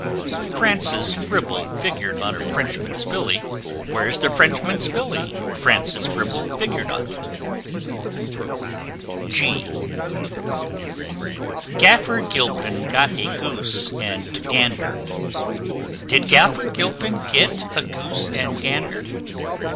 If Francis Fribble figured on a Frenchman's Filly, Where's the Frenchman's Filly Francis Fribble figured on? G g [Illustration: Gaffer Gilpin] Gaffer Gilpin got a Goose and Gander: Did Gaffer Gilpin get a Goose and Gander?